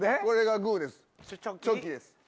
これがグです。